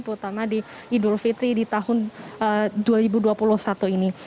terutama di idul fitri di tahun dua ribu dua puluh satu ini